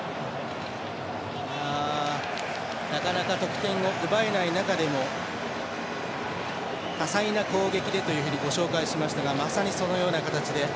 なかなか得点を奪えない中でも多彩な攻撃でというふうにご紹介しましたがまさにそのような形で。